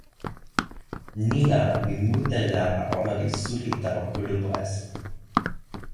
ni la, mi mute la ona li suli tawa kulupu esun.